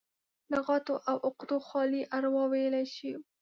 له غوټو او عقدو خالي اروا ويلی شو.